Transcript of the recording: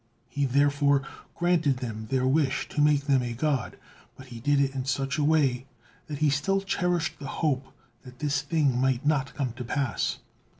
He therefore granted them their wish to make them a god, but he did it in such a way that he still cherished the hope that this thing might not come to pass.